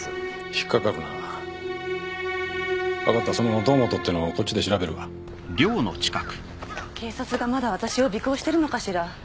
引っ掛かるな分かったその堂本ってのこっちで調べるわ警察がまだ私を尾行してるのかしら？